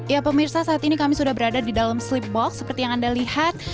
ya pemirsa saat ini kami sudah berada di dalam sleep box seperti yang anda lihat